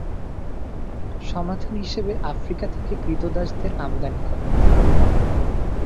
সমাধান হিসেবে আফ্রিকা থেকে ক্রীতদাসদের আমদানি করে।